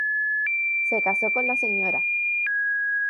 Se casó con la Sra.